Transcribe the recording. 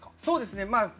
そうですね。